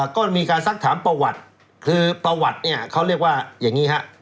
ก็มีการซักถามประวัติคือประวัติเนี่ยเขาเรียกว่าอย่างนี้ฮะ